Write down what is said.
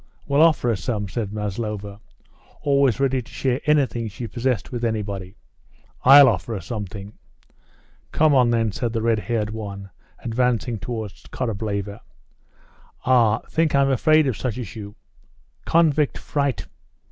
"Well, offer her some," said Maslova, always ready to share anything she possessed with anybody. "I'll offer her something." "Come on then," said the red haired one, advancing towards Korableva. "Ah! think I'm afraid of such as you?" "Convict fright!"